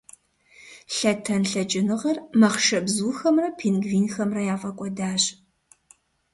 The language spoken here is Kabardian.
Лъэтэн лъэкӀыныгъэр махъшэбзухэмрэ пингвинхэмрэ яфӀэкӀуэдащ.